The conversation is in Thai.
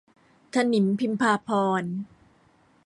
ถนิมพิมพาภรณ์